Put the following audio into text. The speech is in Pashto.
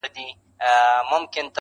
شپه په ورو ورو پخېدلای!.